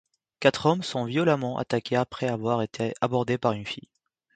Quatre hommes sont violemment attaqués après avoir été abordés par une fille.